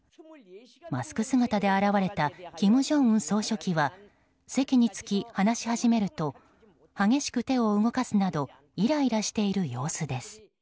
マスク姿で現れた金正恩総書記は席に着き、話し始めると激しく手を動かすなどイライラしている様子です。